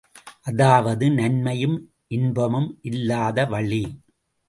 அதாவது நன்மையும் இன்பமும் இல்லாத வழி.